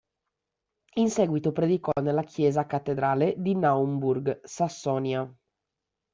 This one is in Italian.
In seguito predicò nella chiesa cattedrale di Naumburg, Sassonia.